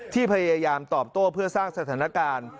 พยายามตอบโต้เพื่อสร้างสถานการณ์